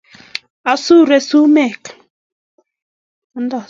asure sumek